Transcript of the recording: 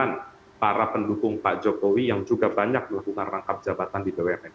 dan juga para pendukung pak jokowi yang juga banyak melakukan rangkap jabatan di bumn